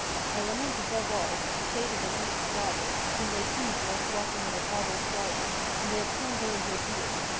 I lament, above all, the fate of a duke's daughter, whom they seized whilst walking in her father's garden, and they have turned her into a deer.